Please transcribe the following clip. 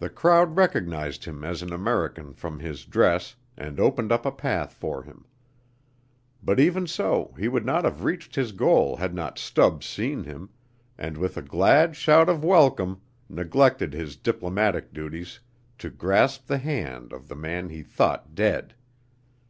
The crowd recognized him as an American from his dress and opened up a path for him. But even so he would not have reached his goal had not Stubbs seen him and, with a glad shout of welcome neglected his diplomatic duties to grasp the hand of the man he thought dead.